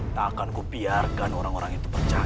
takkan kupiarkan orang orang itu percaya